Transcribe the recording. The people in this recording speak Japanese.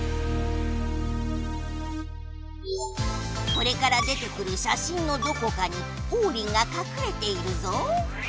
これから出てくる写真のどこかにオウリンがかくれているぞ。